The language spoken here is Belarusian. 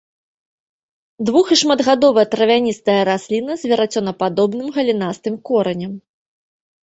Двух- і шматгадовая травяністая расліна з верацёнападобным, галінастым коранем.